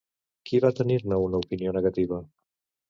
Qui va tenir-ne una opinió negativa?